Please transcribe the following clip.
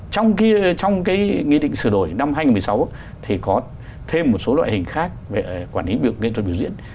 trong cái nghị định sửa đổi năm hai nghìn một mươi sáu thì có thêm một số loại hình khác về quản lý nghệ thuật biểu diễn